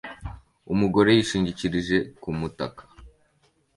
Umugore yishingikirije ku mutaka